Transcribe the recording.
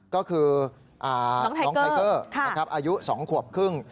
ก็คือน้องไทเกอร์อายุ๒ขวบครึ่ง